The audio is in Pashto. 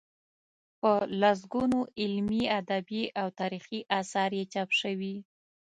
په لسګونو علمي، ادبي او تاریخي اثار یې چاپ شوي.